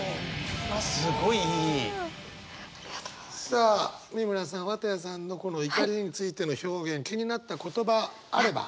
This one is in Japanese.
さあ美村さん綿矢さんのこの怒りについての表現気になった言葉あれば。